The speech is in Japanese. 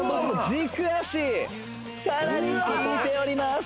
軸足さらに効いております